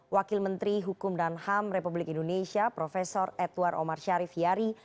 wakil menteri hukum dan ham republik indonesia prof edward omar syarif yari